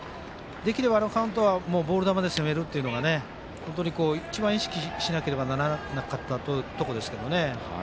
できれば、あのカウントはボール球で攻めるというのが本当に一番意識しなければならなかったところですけどね。